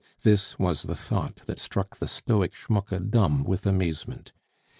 This was the thought that struck the stoic Schmucke dumb with amazement.